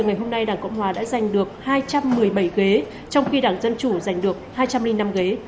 ngày hôm nay đảng cộng hòa đã giành được hai trăm một mươi bảy ghế trong khi đảng dân chủ giành được hai trăm linh năm ghế